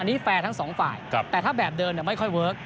อันนี้แฟร์ทั้งสองฝ่ายแต่ถ้าแบบเดินไม่ค่อยเวิร์ค